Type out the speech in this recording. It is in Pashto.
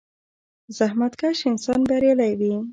• زحمتکش انسان بریالی وي.